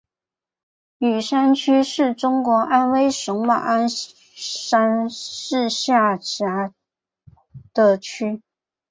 雨山区是中国安徽省马鞍山市下辖的区。